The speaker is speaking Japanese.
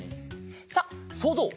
さあそうぞう！